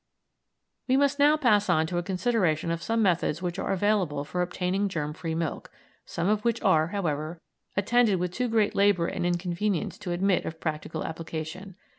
We must now pass on to a consideration of some of the methods which are available for obtaining germ free milk, some of which are, however, attended with too great labour and inconvenience to admit of practical application.